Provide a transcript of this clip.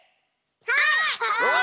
はい！